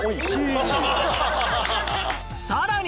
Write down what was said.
さらに